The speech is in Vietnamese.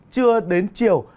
chưa đến chiều